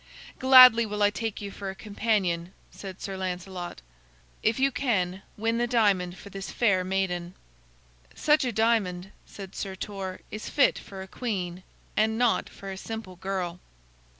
"Gladly will I take you for a companion," said Sir Lancelot, "and if you can, win the diamond for this fair maiden." "Such a diamond," said Sir Torre, "is fit for a queen, and not for a simple girl."